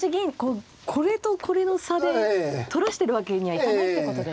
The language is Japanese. これとこれの差で取らしてるわけにはいかないってことですね。